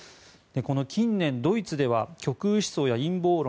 近年、ドイツでは極右思想や陰謀論